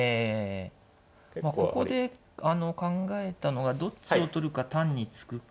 ここで考えたのがどっちを取るか単に突くか。